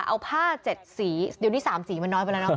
เอาผ้า๗สีเดี๋ยวนี้๓สีมันน้อยไปแล้วเนาะ